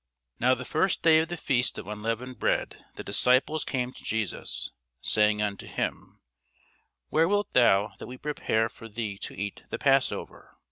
Now the first day of the feast of unleavened bread the disciples came to Jesus, saying unto him, Where wilt thou that we prepare for thee to eat the passover?